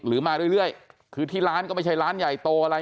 มาเรื่อยคือที่ร้านก็ไม่ใช่ร้านใหญ่โตอะไร